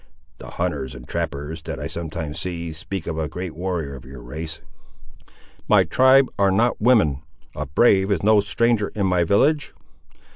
The hunters and trappers, that I sometimes see, speak of a great warrior of your race." "My tribe are not women. A brave is no stranger in my village."